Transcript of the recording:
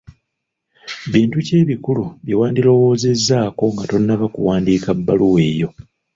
Bintu ki ebikulu bye wandirowoozezzaako nga tonnaba kuwandiika bbaluwa eyo?